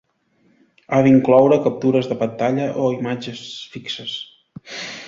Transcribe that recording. Ha d’incloure captures de pantalla o imatges fixes.